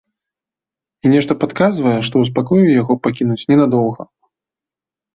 І нешта падказвае, што ў спакоі яго пакінуць ненадоўга.